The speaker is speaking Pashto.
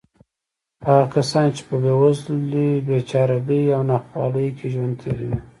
هغه کسان چې په بېوزلۍ، بېچارهګۍ او ناخوالو کې ژوند تېروي.